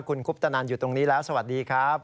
คุณคุปตนันอยู่ตรงนี้แล้วสวัสดีครับ